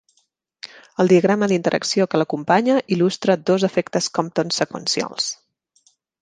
El diagrama d'interacció que l'acompanya il·lustra dos efectes Compton seqüencials.